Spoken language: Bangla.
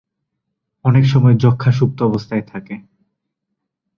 অনেক সময় যক্ষ্মা সুপ্ত অবস্থায় থাকে।